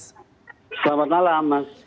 selamat malam mas